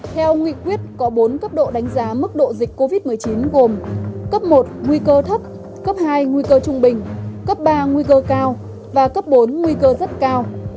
theo nghị quyết có bốn cấp độ đánh giá mức độ dịch covid một mươi chín gồm cấp một nguy cơ thấp cấp hai nguy cơ trung bình cấp ba nguy cơ cao và cấp bốn nguy cơ rất cao